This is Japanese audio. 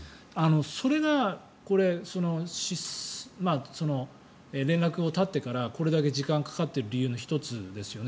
それが連絡を絶ってからこれだけ時間がかかっている理由の１つですよね。